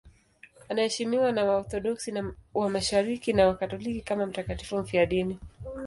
Anaheshimiwa na Waorthodoksi wa Mashariki na Wakatoliki kama mtakatifu mfiadini.